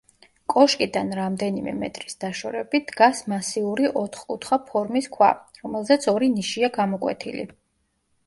კოშკიდან რამდენიმე მეტრის დაშორებით დგას მასიური ოთხკუთხა ფორმის ქვა, რომელზეც ორი ნიშია გამოკვეთილი.